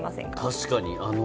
確かに。